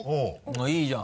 いいじゃん。